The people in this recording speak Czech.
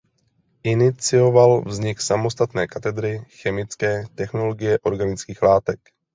Inicioval vznik samostatné katedry chemické technologie organických látek.